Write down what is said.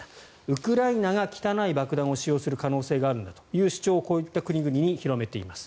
ウクライナが汚い爆弾を使用する可能性があるんだという主張をこういった国々に広めています。